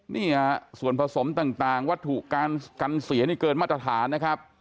นี่ฮะส่วนผสมต่างวัตถุการกันเสียนี่เกินมาตรฐานนะครับ